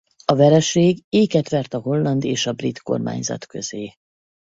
A vereség éket vert a holland és a brit kormányzat közé.